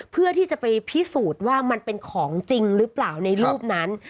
เพื่อที่จะไปพิสูจน์ว่ามันเป็นของจริงหรือเปล่าในรูปนั้น